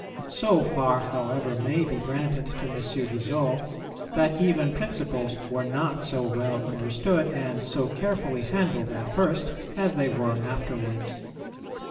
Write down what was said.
So far, however, may be granted to M. Guizot, that even principles were not so well understood and so carefully handled at first, as they were afterwards.